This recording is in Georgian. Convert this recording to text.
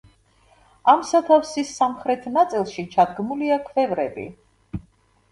ამ სათავსის სამხრეთ ნაწილში ჩადგმულია ქვევრები.